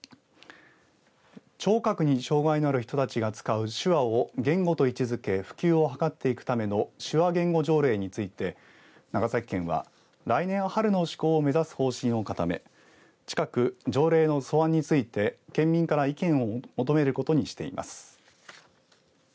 聴覚に障害のある人たちが使う手話を言語と位置づけ普及を図っていくための手話言語条例について長崎県は来年、春の施行を目指す方針を固め近く条例の素案について県民から意見を求めることにしています。